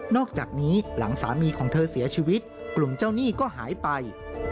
อกจากนี้หลังสามีของเธอเสียชีวิตกลุ่มเจ้าหนี้ก็หายไป